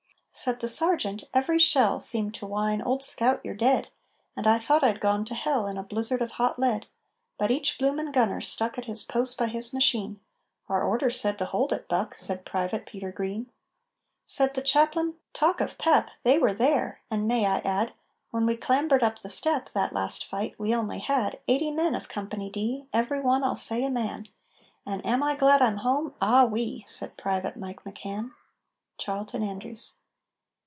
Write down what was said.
_ Said the Sergeant: "Every shell Seemed to whine, 'Old scout, you're dead!' And I thought I'd gone to hell In a blizzard of hot lead. But each bloomin' gunner stuck At his post by his machine." "Our orders said to hold it, Buck!" Said Private Peter Green. Said the Chaplain: "Talk of pep! They were there! And, may I add, When we clambered up the step That last fight, we only had Eighty men of Company D Every one, I'll say, a man!" "And am I glad I'm home? Ah, oui!" Said Private Mike McCann. CHARLTON ANDREWS.